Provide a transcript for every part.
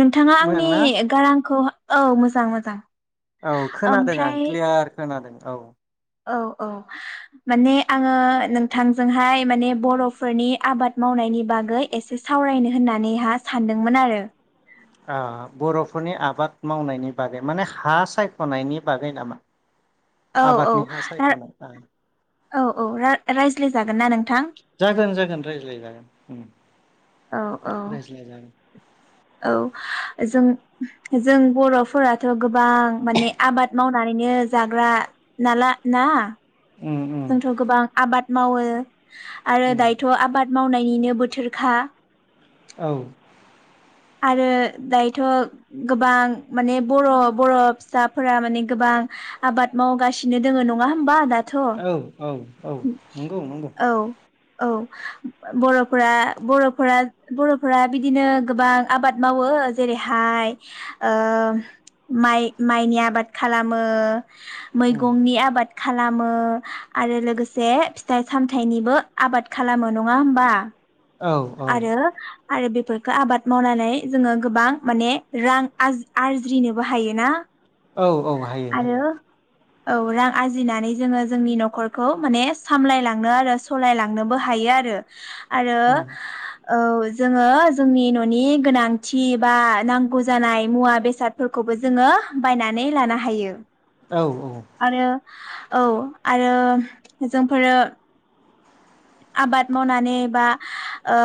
नोंथाङा आंनि मोजांना गारांखौ औ मोजां औ मोजां‌। औ खोनादों आं क्लियार खोनादों। औ औ औ माने आङो नोंथांजोंहाय माने बर'फोरनि आबाद मावनायनि बागै एसे सावरायनो होननानैहा सानदोंमोन आरो ओ बर'फोरनि आबाद मावनायनि बागै माने हा सायख'नायनि बागै नामा? औ औ आबादनि हा सायखनाय आ औ औ रा-रायज्लायजागोन ना नों जागोन जागोन रायज्लायजागोन। उम औ औ रायज्लाय जागोन औ जों जों बर'फोराथ' गोबां माने आबाद मावनानैनो जाग्रा नाला ना। उम उम जोंथ' गोबां आबाद मावो आरो उम दायथ' आबाद मावनायनिनो बोथोरखा औ आरो दायोथ' गोबां माने बर' बर' फिसाफोरा माने गोबां आबाद मावगासिनो दोङो नङा होमबा दा दाथ' औ औ औ नंगौ नंगौ औ औ बर'फोरा बर'फोरा बर'फोरा बिदिनो गोबां आबाद मावो जेरैहाय ओ माइ माइनि आबाद खालामो उम मैगंनि आबाद खा खालामो आरो लोगोसे फिथाइ सामथाइनिबो आबाद खालामो नङा होमबा औ औ आरो आरो बेफोरखौ आबाद मावनानै जोङो गोबां माने रां आर-आरज्रिनोबो हायोना। औ औ हायो आरो हायो औ रां आरजिनानै जोङो जोंनि न'खरखौ माने सामलायलांनो आरो सलायलांनोबो हायो आरो। आरो उम औ जोङो जोंनि न'नि गोनांथि बा नांगौ जानाय मुवा बेसादफोरखौबो जोङो बायनानै लानो हायो। औ औ आरो औ आरो जोंफोरो आबाद मावनानै बा ओ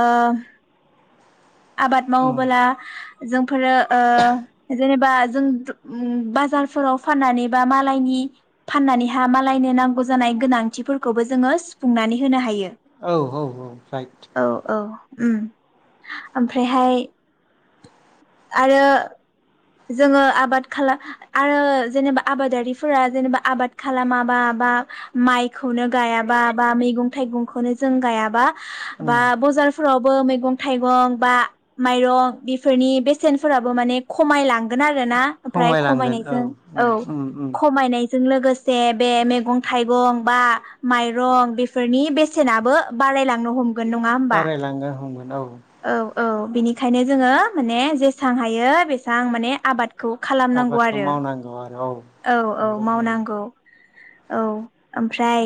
आबाद उम मावोबोला जोंफोरो ओ जेनेबा जों जो ओ बाजारफोराव फाननानै बा मालायनि फाननानैहा मालायनो नांगौ जानाय गोनांथिफोरखौबो जोङो सुफुंनानै होनो हायो। औ औ औ राइट उम ओमफ्रायहाय आरो जोङो आबाद खाला आरो जेनेबा आबादारिफोरा जेनेबा आबाद खालामाबा बा माइखौनो गायाबा बा मैगं थाइगंखौनो जों गायाबा उम बा बजारफोराव मै थाइं बा माइं बेफोरनि बेसेनफोराबो माने खमायलां गोन आरो ना ओमफाय खमायलांगोन खमायनायजों औ उम उम उम खमायनाय जों लोगोसे बे मैगं थाइगं बा माइरं बेफोरनि बेसेनाबो बारायलांनो हम बारायलानो हमो। औ औ औ बेनिखायनो जोङो माने जेसेबां हायो बेसेबां माने आबाद खौ खालामनांगौ आबादखौ आरो मावनांगौ आरो औ औ नंगौ मावनांगौ। नंगौ औ ओमफ्राय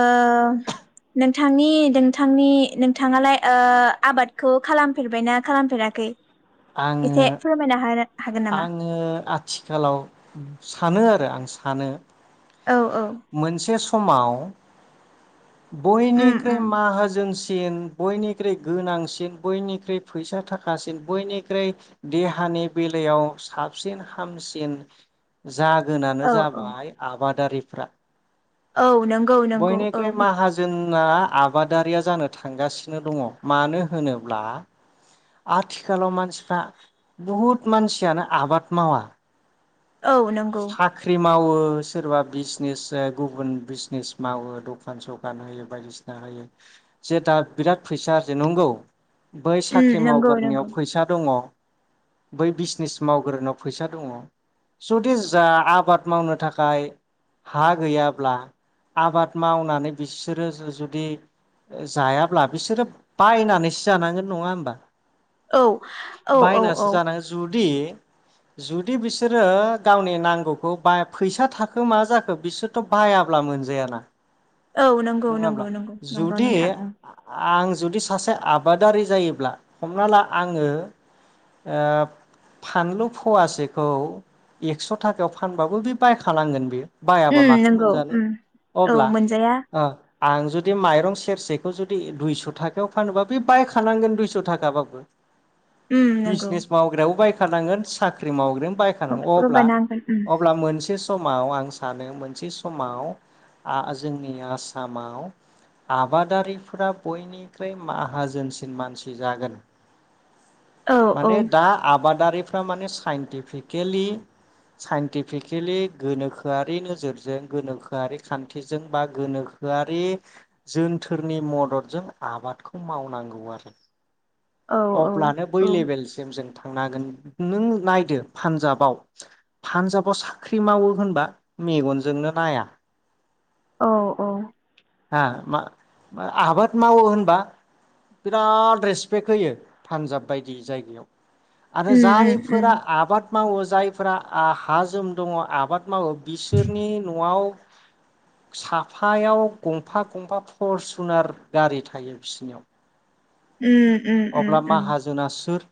ओ नोंथांनि नोंथांनि नोंथाङालाय ओ आबादखौ खालामफेरबायना खालामफेराखै आङो एसे फोरमायना हानो हागोन नामा आङो आथिखालाव सानो आरो आं सानो औ औ मोनसे स अमाव उम बयनिख्रुइ उम माहाजोनसि सिन बयनिख्रुइ गोनांसिन बयनिख्रुइ फैसा थाखासिन बयनिख्रुइ देहानि बेलायाव साबसिन हामसिन जागोनानो औ औ जाबाय आबादारि [unintelligible] औ नंगौ नंगौ औ जोंना आबादारिया जानो थांगासिनो दङ' मानो होनोब्ला आथिखालाव मानसिफ्रा बहुद मानसियानो आबाद मावा औ नंगौ साख्रि मावो सोरबा बिजनेस ओ गुबुन बिजनेस मावो दखान सखान होयो बायदिसिना होयो जे दा बिराद फैसा जे नंगौ बै उम साख्रि नंगौ मावग्रानियाव नंगौ फैसा दङ' बै बिजनेस मावग्रोनायाव फैसा दङ' जुदि जा आबाद मावनो थाखाय हा गैयाब्ला आबाद मावनानै बिसोरो जु-जुदि जायाब्ला बिसोरो बायनानैसो जानांगोन नङा होमबा औ औ औ औ दि जुदि बिसोरो गावनि नांगौखौ बा फैसा थाखो मा जाखो बिसोरथ' बायाब्ला मोनजायाना औ नंगौ नङाब्ला नंगौ नंगौ नंगौ जुदि नोंथां उम आं जुदि सासे आबादारि जायोब्ला हमना ला आङो ओ फानलु फवासेखौ एक्स' थाखायाव फानबाबो बे बायखानांगोन बेयो बायाबा उम माखौ नंगौ मोनजानो उम औ अब्ला मोनजाया ओ आं जुदि माइरं सेरसेखौ जुदि दुइस' थाखायाव फानोबा बे बायखानांगोन दुइस' थाखाबाबो। उम नंगौ बिजनेस मावग्रायाव बाय खानांगोन साख्रि मावग्रोम बायखानांगौ अब्ला लगायना होगोन उम अब्ला मोनसे स समाव आं सानो मोनसे समाव आ जोंनि आसामाव आबादारिफोरा बयनिख्रुइ माहाजोनसिन मानसि जागोन। औ औ माने दा आबादारि फ्रा माने साइन्टिफिकेलि साइन्टिफिकेलि गोनोखोआरि नोजोरजों गोनोखोआरि खान्थिजों बा गोनोखोआरि जोनथोरनि मददजों आबादखौ मावनांगौ आरो। औ अब्लानो औ औ लेभेलसिम जा नों थांनो हागोन नों नायदो पान्जाबाव पान्जाबाव साख्रि मावो होनबा मेगनजोंनो नाया। औ औ हा मा मा आबाद मावो होनबा बिराद रेसपेक्ट होयो पानजाब बायदि जायगायाव। आरो उम उम उम जायफोरा आबाद मावो जायफ्रा आ हा जोम दङ आबाद मावो बिसोरनि न'आव साफायाव गंफा गंफा फु फरसुनार गारि थायो बिसिनियाव। उम उम उम अब्ला उम माहाजोना सोर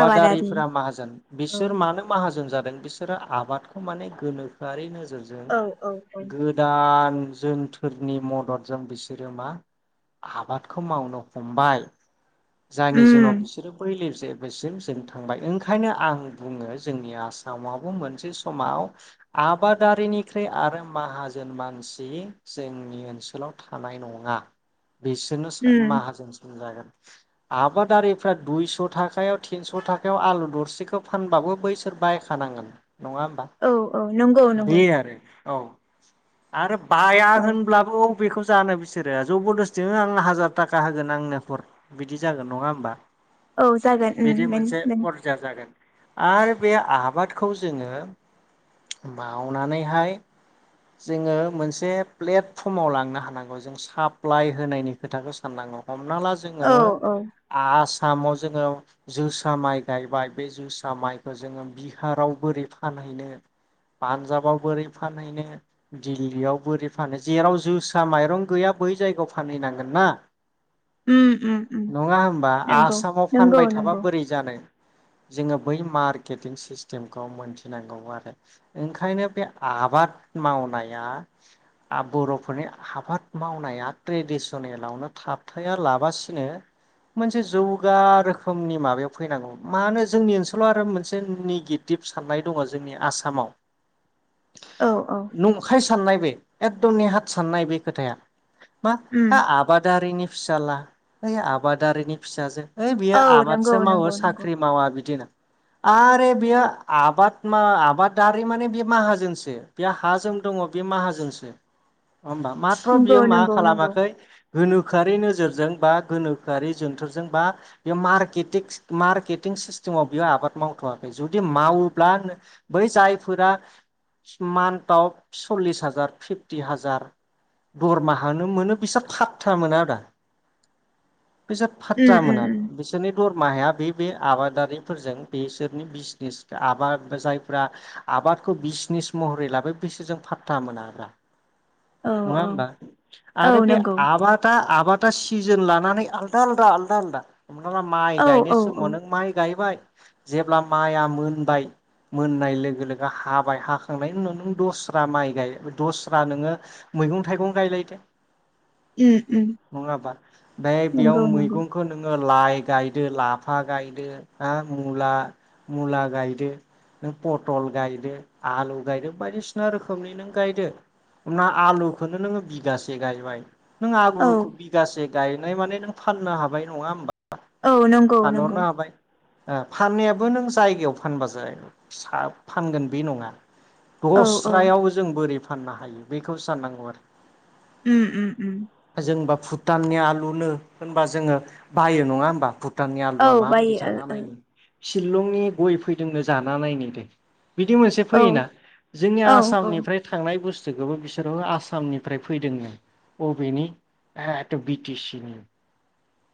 आबादारि माहाजोन औ बिसोर मानो माहाजोन जादों बिसोरो आबादखौ माने गोनोखोआरि नोजोर जोरजों औ औ गोदान जोनथोरनि मददजों बिसोरो मा आबादखौ मावनो हमबाय। जानि जुनाव उम बिसोरो पैलेस जेबोसिम जों थांबाय ओंखायनो आं बुङो जोंनि आसामावबो मोनसे समाव आबादारिनिख्रुइ आरो माहाजोन मानसि जोंनि ओनसोलाव थानाय नङा। बिसोरनोसो सा उम माहाजोन सोमजागोन। आबादारिफ्रा दुइस' थाखायाव तिनस' थाखायाव आलु दरसेखौ फानबाबो बैसोर बायखानांगोन। नङा होमबा औ औ नंगौ बेे नंगौ आरो। औ आरो बाया औ होनब्लाबो [unintelligible] खौ जानो बिसोरो जबरदस्थिनो आं हाजार थाखा होगोन आंनो हर बिदि जागोन नङा होमबा? औ जागोन उम बिदि मेन मोनसे मेन फरजा जागोन आरो बे आबादखौ जोङो मावनानैहाय जोङो मोनसे प्लेटफर्माव लांनो हानांगौ जों साप्लाय होनायनि खोथाखौ साननांगौ हमना ला औ ओ औ आस सामाव जोङो जोसा माइ गायबाय बे जोसा माइखौ जोङो बिहाराव बोरै फानहैनो पान्जाबाव बोरै फानहैनो दिल्लीयाव बोरै फानहैनो जेराव जोसा माइरं गैया बै जायगायाव फानहैनांगोन ना उम उम उम नङा होमबा नंगौ आसामाव नंगौ फानबाय थाबा नंगौ बोरै जानो जोङो बै मारकेटिं सिस्टेमखौ मोनथिनांगौ आरो ओंखायनो बे आबाद मावनाया आब बर'फोरनि आबाद मावनाया ट्रेडिसनेलावनो थाबथाया लाब बासिनो मोनसे जौगा रोखोमनि माबायाव फैनांगौ माने जोंनि ओनसोलाव आरो मोनसे निगेटिभ साननाय दङ जोंनि आसामाव औ औ नंखाय साननाय बे एकद नेहाथ साननाय बे खोथाया मा आ उम आबाद दारिनि फिसाला ओइ आबादारिनि फिसाजो ओइ औ बियो नंगौ आबादसो मावो नंगौ नंगौ साख्रि मावा बिदि होनो आरो बेयो आबाद मा आबादारि माने बे माहाजोनसो बे हा जोम दङ बे माहाजोनसो। नङाहोनबा माथ्र बियो नंगौ मा नंगौ नंगौ खालामाखै गोनोखोआरि नोजोरजों बा गोनोखोआरि जोनथोरजोंबा बे मार्केटिस मार्केटिं सिस्टेमाव बेयो आबाद मावथवाखै जुदि मावोब्ला बै जायफोरा मान्टआव सल्लिस हाजार फिफ्टि हाजार दरमाहानो मोनो बिसोर फादथा मोनाब्रा बिसोर उम फाथा उम मोना उम बिसोरनि दरमाहाया बे बे आबादारिफोरजों बेसोरनि बिजनेस आबाद जायफ्रा आबादखौ बिजनेस महरै लाबाय बिसोरजों फादथा मोनाब्रा। औ औ नङाहोनबा औ आरो बे नंगौ आबादा आबाद दा सिजोन लानानै आलदा आलदा आलदा आलदा हमनाला माइ औ गायनाय औ औ समाव नों माइ गायबाय जेब्ला माइआ मोनबाय मोननाय लोगो लोगो हाबाय हाखांनायनि उनाव नों दस्रा माइ गायो दस्रा नोङो मैगं थाइगं गायलायदो उम उम नङा होनबा बाय बेयाव नंगौ नंगौ मैगंखौ नोङो लाइ गायदो लाफा गायदो हा मुला मुला गायदो नों पटल गायदो आलु गायदो बायदिसिना रोखोमनि नों गायदो हमना आलुखौ नोङो बिगासे गायबाय नों औ आब्रुखु बिगासे गायनाय माने नों फाननो हाबाय नङा होमबा औ नंगौ नंगौ फानहरनो हाबाय ओ फाननायाबो नों जायगायाव फानबा जानाय नङा सा फानगोन बे नङा औ औ दस्रायाव जों बोरै फान फाननो हायो बेखौ साननांगौ आरो उम उम उम जोंबा भुटाननि आलुनो होनबा जोङो बायो नङा होमबा भुट भुटाननि औ आलुआ माबायदि बायो जाना नायो शिलंनि गय फैदोंनो जाना नायनि दे। बिदि मोनसे ओ फैयोना जोंनि ओ औ औ आसामनिफ्राय थांनाय बुस जोंखौबो बिसोरो आसामनिफ्राय फैदोंनो अबेनि हे एथ बिटि सि नि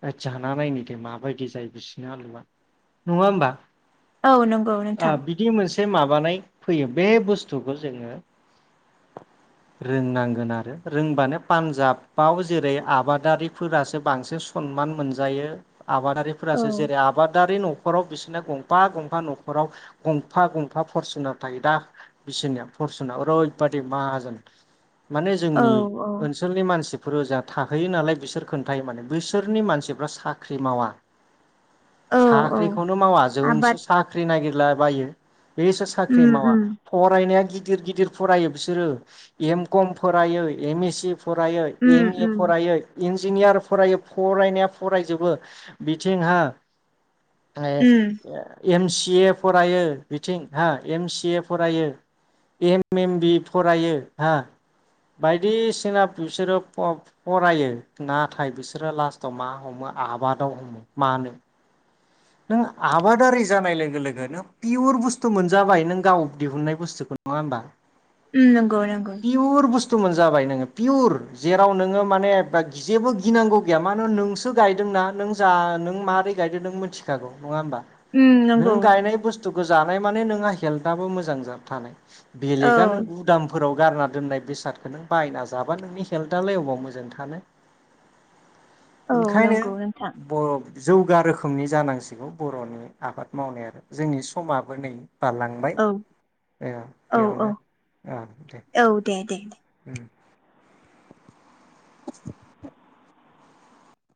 होद जाना नायनो दे माबायदि जायो बिसोरनि आलुवा नङा होमबा? औ नंगौ नोंथां। बिदि मोनसे माबानाय फैयो बे बुस्थुखौ जोङों रोंनांगोन आरो रोंबानो पान्जाबाव जेरै आबादारिफोरासो बांसिन सनमान मोनजायो औ आबादारिफोरासो जेरै आबादारि नङ नखराव बिसोरना गंफा गंफा नखराव गंफा गंफा फरसुनार थायो दा बिसोरनिया फरसुना ओरैबादि माहाजोन। माने औ जोंनि औ ओनसोलनि मानसि फुरोजाब थाखोयो नालाय बिसोर खोन्थायो माने बैसोरनि मानसिफ्रा साख्रि मावा। औ औ साख्रिखौनो मावा जोंसो आबाद साख्रि नागिर ला बायो। बेसोर साख्रि उम मावा उम फरायनाया गिद गिदिर गिदिर फरायो बिसोरो एम कम फरायो एम एस सि फरायो उम एम ए उम फरायै इन जिनियार फरायो फरायनाया फरायजोबो बिथिंहा आ उम [unintelligible] एम सि ए फरायो बिथिं हा एम सि ए फरायो एम एम बि फरायो हा बायदिसिना बिसोरो फ फरायो। नाथाय बिसोरो लास्टाव मा हमो आबादाव हमो। मानो? नों आबादारि जानाय लोगो लोगोनो पिउर बुस्थु मोनजाबाय नों गाव दिहुननाय बुस्थुखौ नङा होनबा? उम नंगौ नंगौ। तु मोनजाबाय नोङो पियुर जेराव नोङो माने दा जेबो गिनांगौ गैया मानो होनो नोंसो गायदोंना नों जा नों मारै गायदों नों मिथि खागौ नङा होमबा? उम नों नंगौ नंगौ। गायनाय बुस्थुखौ जानाय माने नोंहा हेल्थआबो मोजां जा थानाय। बेलेगा नों औ गुदामफोराव गारना दोननाय बेसादखौ नों बायना जाबा नोंनि हेल्थालाय अबाव मोजां थानो। औ ओंखायनो नंगौ नोंथां बर' जौगा रोखोमनि जानां सिखौ बर'नि आबाद मावनायाबो। जोंनि समाबो नै बारलांबाय औ ओ औ बेयावनो औ ओ दे। औ दे दे उम [inaudible]